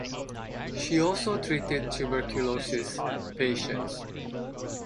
She also treated tuberculosis patients.